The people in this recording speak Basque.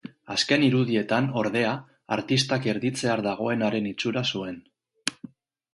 Azken irudietan, ordea, artistak erditzear dagoenaren itxura zuen.